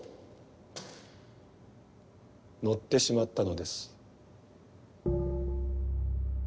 乗ってしまったのです。